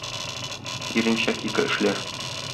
Иренчәк ике эшләр.